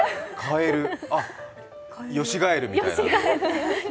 あ、よしがえるみたいな？